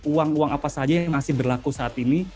uang uang apa saja yang masih berlaku saat ini